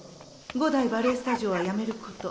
五代バレエスタジオはやめること。